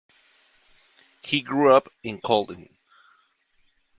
He grew up in Kolding.